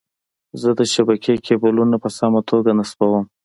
زه د شبکې کیبلونه په سمه توګه نصبووم.